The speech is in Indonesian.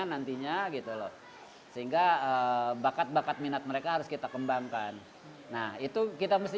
nantinya gitu loh sehingga bakat bakat minat mereka harus kita kembangkan nah itu kita mesti